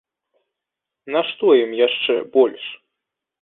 Нашто ім яшчэ больш?